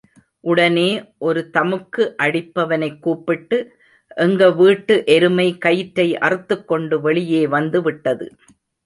உடனே ஒரு தமுக்கு அடிப்பவனைக் கூப்பிட்டு, எங்க வீட்டு எருமை கயிற்றை அறுத்துக் கொண்டு வெளியே வந்து விட்டது.